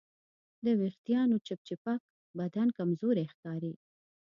د وېښتیانو چپچپک بدن کمزوری ښکاري.